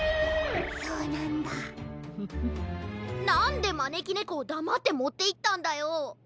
なんでまねきねこをだまってもっていったんだよ。